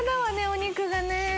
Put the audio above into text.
お肉がね。